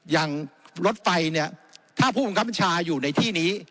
อย่างรถไฟเนี่ยถ้าผู้บังคับบัญชาอยู่ในที่นี้